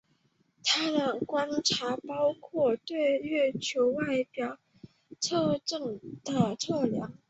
他的观察包括了对月球表面特征的测量。